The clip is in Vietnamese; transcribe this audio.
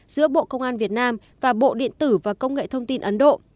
giữa bộ công an việt nam và bộ điện tử và công nghệ thông tin ấn độ